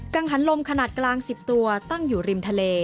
ังหันลมขนาดกลาง๑๐ตัวตั้งอยู่ริมทะเล